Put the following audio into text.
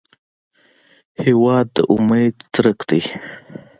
هېواد د امید څرک دی.